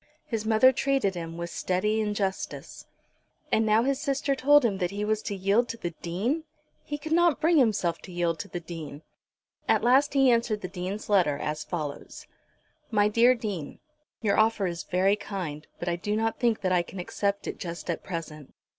His mother treated him, with steady injustice. And now his sister told him that he was to yield to the Dean! He could not bring himself to yield to the Dean. At last he answered the Dean's letter as follows; "MY DEAR DEAN, "Your offer is very kind, but I do not think that I can accept it just at present.